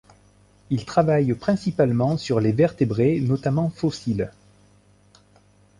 Il travaille principalement sur les vertébrés, notamment fossiles.